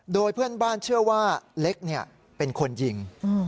โดยเพื่อนบ้านเชื่อว่าเล็กเป็นคนยิง